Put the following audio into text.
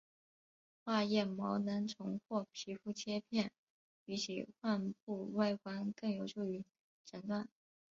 化验毛囊虫或皮肤切片比起患部外观更有助于诊断。